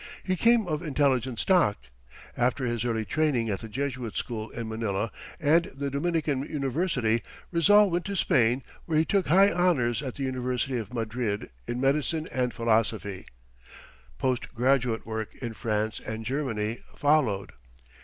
He came of intelligent stock. After his early training at the Jesuit school in Manila and the Dominican university, Rizal went to Spain, where he took high honors at the University of Madrid in medicine and philosophy. Post graduate work in France and Germany followed.